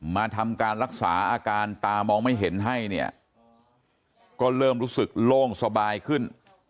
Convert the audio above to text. มาทำการรักษาอาการตามองไม่เห็นให้เนี่ยก็เริ่มรู้สึกโล่งสบายขึ้น